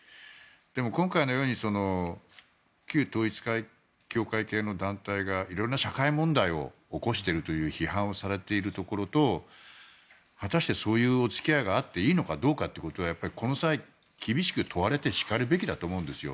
でも、今回のように旧統一教会系の団体が色んな社会問題を起こしているという批判をされているところと果たして、そういうお付き合いがあっていいのかどうかということをやっぱりこの際厳しく問われてしかるべきだと思うんです。